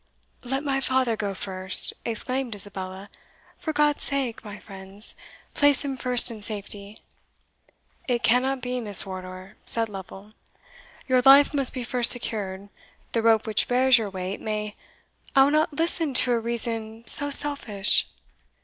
"Let my father go first," exclaimed Isabella; "for God's sake, my friends, place him first in safety!" "It cannot be, Miss Wardour," said Lovel; "your life must be first secured the rope which bears your weight may" "I will not listen to a reason so selfish!"